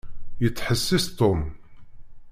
Yettḥessis Tom.